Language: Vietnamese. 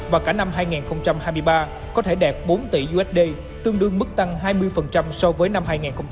và cả năm hai nghìn hai mươi ba có thể đạt bốn tỷ usd tương đương mức tăng hai mươi so với năm hai nghìn hai mươi hai